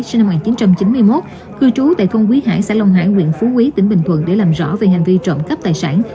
sinh năm một nghìn chín trăm chín mươi một cư trú tại thôn quý hải xã long hải huyện phú quý tỉnh bình thuận để làm rõ về hành vi trộm cắp tài sản